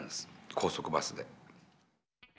高速バスで。